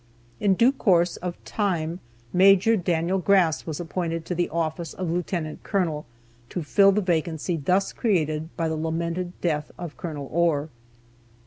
In due course of time Maj. Daniel Grass was appointed to the office of Lieutenant Colonel, to fill the vacancy thus created by the lamented death of Col. Ohr.